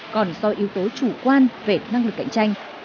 còn do yếu tố chủ quan về năng lực cạnh tranh